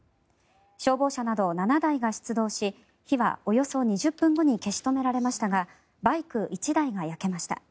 消防車など７台が出動し火はおよそ２０分後に消し止められましたがバイク１台が焼けました。